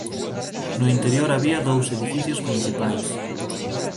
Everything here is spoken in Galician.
No interior había dous edificios principais.